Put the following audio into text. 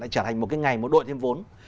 trở thành một cái ngày một đội thêm vốn